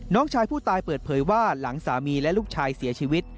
น้องชายผู้ตายเปิดเผยว่าหลังสามีและลูกชายเสียชีวิต